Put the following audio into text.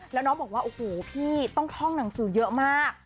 แล้วน้องบอกว่าโอ้โหพี่ต้องท่องหนังสือเยอะมาก